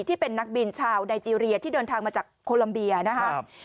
ที่เป็นนักบินชาวไนเจรียที่เดินทางมาจากโคลัมเบียนะครับ